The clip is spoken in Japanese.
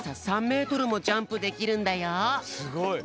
３メートルもジャンプできるんだよ。